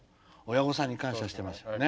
親御さんに感謝してますね。